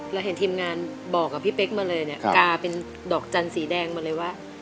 เราเห็นทีมงานบอกกับพี่เป๊กมาเลยเนี่ยกาเป็นดอกจันทร์สีแดงมาเลยว่า